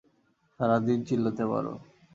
সারাদিন চিল্লাতে পারো।